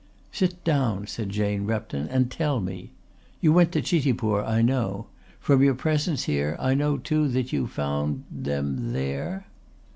"Sit down," said Jane Repton, "and tell me. You went to Chitipur, I know. From your presence here I know too that you found them there."